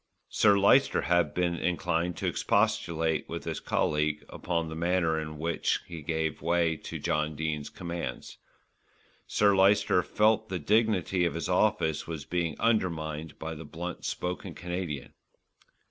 Sir Lyster had been inclined to expostulate with his colleague upon the manner in which he gave way to John Dene's demands. Sir Lyster felt that the dignity of his office was being undermined by the blunt spoken Canadian.